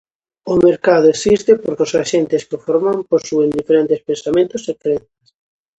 O mercado existe porque os axentes que o forman posúen diferentes pensamentos e crenzas.